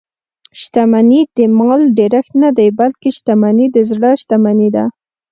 شتمني د مال ډېرښت نه دئ؛ بلکي شتمني د زړه شتمني ده.